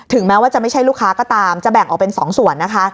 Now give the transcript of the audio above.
แม้ว่าจะไม่ใช่ลูกค้าก็ตามจะแบ่งออกเป็น๒ส่วนนะคะ